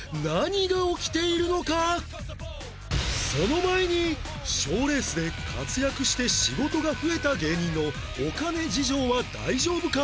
その前に賞レースで活躍して仕事が増えた芸人のお金事情は大丈夫か？